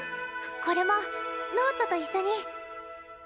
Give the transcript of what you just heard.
これもノートと一緒に。